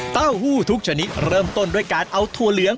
เต้าหู้ทุกชนิดเริ่มต้นด้วยการเอาถั่วเหลือง